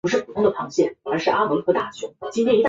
牟琳是清朝光绪二十九年癸卯恩科举人。